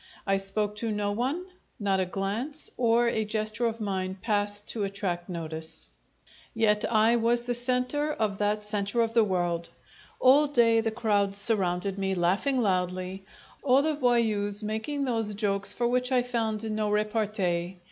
I spoke to no one; not a glance or a gesture of mine passed to attract notice. Yet I was the centre of that centre of the world. All day the crowds surrounded me, laughing loudly; all the voyous making those jokes for which I found no repartee.